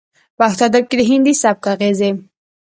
پښتو ادب کې د هندي سبک اغېزې